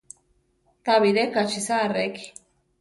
Tabiré kachisa reki.